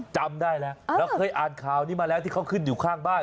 จำได้แล้วเราเคยอ่านข่าวนี้มาแล้วที่เขาขึ้นอยู่ข้างบ้าน